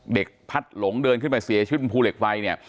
พัดหลงเดินขึ้นไปเสียชีวิตบนภูเหล็กไฟเนี่ย